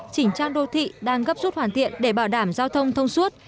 chỉnh trang đô thị đang gấp rút hoàn thiện để bảo đảm giao thông thông suốt